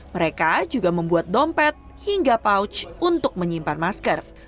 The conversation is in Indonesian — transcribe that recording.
mereka juga membuat dompet hingga pouch untuk menyimpan masker